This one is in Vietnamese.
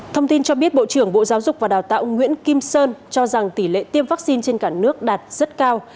thông tin cho biết bộ trưởng bộ giáo dục và đào tạo nguyễn kim sơn cho rằng tỷ lệ tiêm vaccine trên cả nước đạt rất cao